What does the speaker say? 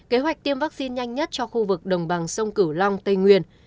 kế hoạch tiêm vaccine nhanh nhất cho khu vực đồng bằng sông cửu long tây nguyên